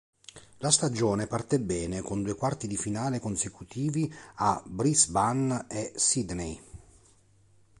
La stagione parte bene con due quarti di finale consecutivi a Brisbane e Sydney.